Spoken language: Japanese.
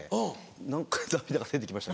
何か涙が出て来ました